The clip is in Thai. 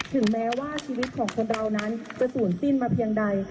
ถึงแม้ว่าชีวิตของคนเรานั้นจะศูนย์สิ้นมาเพียงใด